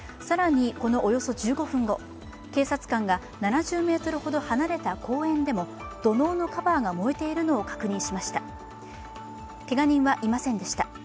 更に、このおよそ１５分後、警察官が７０ｍほど離れた公園でも土のうのカバーが燃えているのを確認しました。